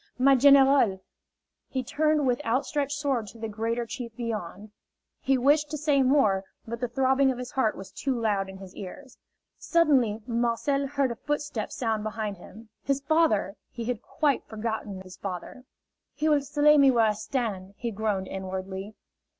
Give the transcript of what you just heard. "My general!" He turned with outstretched sword to the greater chief beyond. He wished to say more, but the throbbing of his heart was too loud in his ears. Suddenly Marcel heard a footstep sound behind him. His father! He had quite forgotten his father. "He will slay me where I stand!" he groaned inwardly.